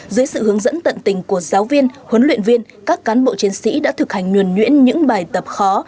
dưới sự hướng dẫn tận tình của giáo viên huấn luyện viên các cán bộ chiến sĩ đã thực hành nhuẩn nhuyễn những bài tập khó